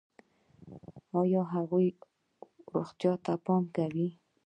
ایا د هغوی روغتیا ته پام کوئ؟